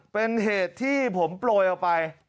เป็นเหตุที่ผมโปรยออกไป